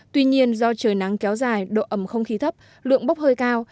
tuy nhiên do trời nắng kéo dài độ ẩm không khí thấp lượng bốc hơi cao